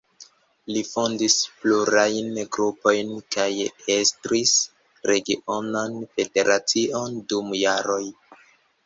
Li fondis plurajn grupojn kaj estris regionan federacion dum jaroj.